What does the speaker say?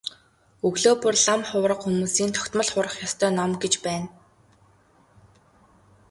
Өглөө бүр лам хувраг хүмүүсийн тогтмол хурах ёстой ном гэж байна.